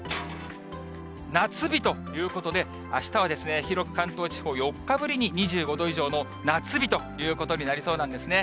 夏日ということで、あしたは広く関東地方、４日ぶりに２５度以上の夏日ということになりそうなんですね。